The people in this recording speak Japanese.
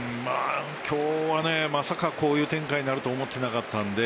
今日はまさかこういう展開になると思っていなかったので。